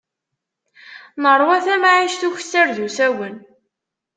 Neṛwa tamɛict n ukessar d usawen.